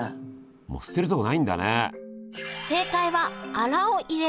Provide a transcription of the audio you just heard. もう捨てるとこないんだね。